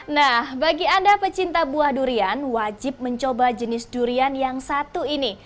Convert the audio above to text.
nah bagi anda pecinta buah durian wajib mencoba jenis durian yang satu ini